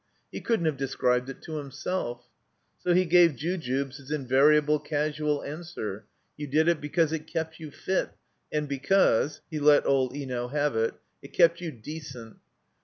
He couldn't have described it to himself. So he gave Jujubes his invariable casual answer. You did it because it kept you fit and because (he let old Eno have it) it kept you decent.